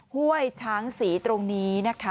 ห้วยช้างศรีตรงนี้นะคะ